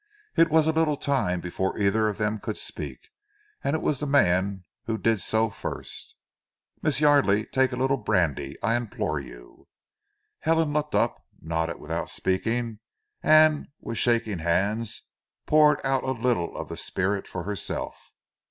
It was a little time before either of them could speak, and it was the man who did so first. "Miss Yardely, take a little brandy. I implore you!" Helen looked up, nodded without speaking, and with shaking hands poured out a little of the spirit for herself.